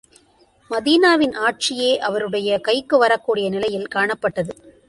மதீனாவின் ஆட்சியே அவருடைய கைக்கு வரக் கூடிய நிலையில் காணப்பட்டது.